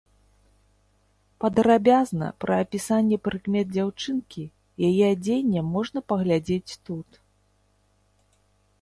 Падрабязна пра апісанне прыкмет дзяўчынкі, яе адзення можна паглядзець тут.